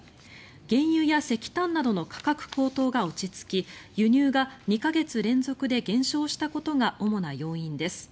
原油や石炭などの価格高騰が落ち着き輸入が２か月連続で減少したことが主な要因です。